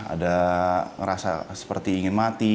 ada ngerasa seperti ingin mati